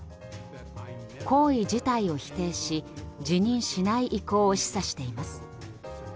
行為自体を否定し辞任しない意向を示唆しています。